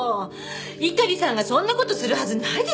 猪狩さんがそんな事するはずないでしょ！